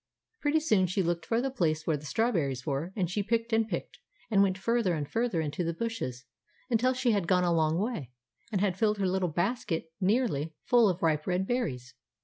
Pretty soon she looked for the place where the strawberries were, and she picked and picked, and went further and further into the bushes, until she had gone a long way, and had filled her little basket nearly full of ripe red berries.